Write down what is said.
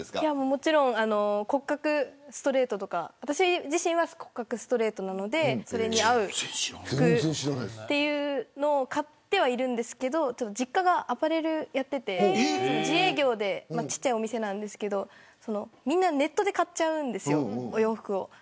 もちろん骨格ストレートとか私自身は骨格ストレートなのでそれに合う服というのを買ってはいるんですけど実家がアパレルをやっていて自営業で小さいお店なんですけどみんなネットで買っちゃうんですよ、お洋服を。